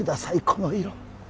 この色！